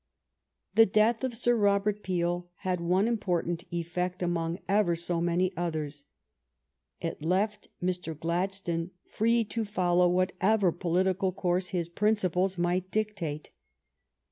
The death of Sir Robert Peel had one impor tant effect among ever so many others. It left Mr. Gladstone free to follow whatever political course his principles might dictate.